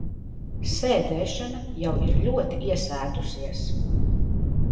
Sēdēšana jau ir ļoti iesēdusies.